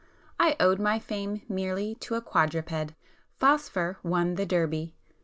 —I owed my fame merely to a quadruped;—'Phosphor' won the Derby.